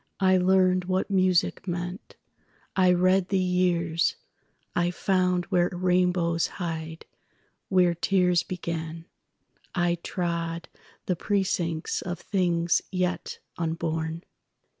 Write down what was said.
I learned what music meant; I read the years;I found where rainbows hide, where tears begin;I trod the precincts of things yet unborn.